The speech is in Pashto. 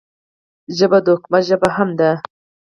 ژبه د حکمت ژبه هم ده